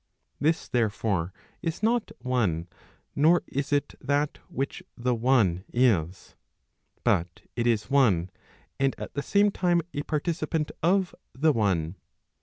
This, therefore, is not one, nor is it that which the one is. But it is one, and at the same time a participant of the one.